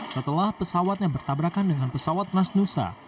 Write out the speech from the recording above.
setelah pesawatnya bertabrakan dengan pesawat nasnusa